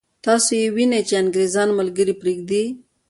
تاسو یې وینئ چې انګرېزان ملګري پرېږدي.